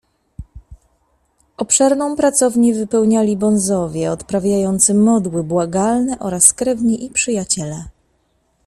"Obszerną pracownię wypełniali bonzowie, odprawiający modły błagalne, oraz krewni i przyjaciele."